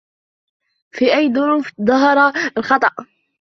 في أي ظروف ظهر الخطأ ؟